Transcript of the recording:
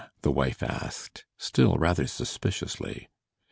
the wife asked, still rather suspiciously.